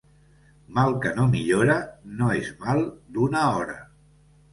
Mal que no millora no és mal d'una hora.